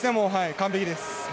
完璧です。